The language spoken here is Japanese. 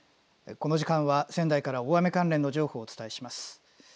この時間は仙台から大雨関連の情報をお伝えします。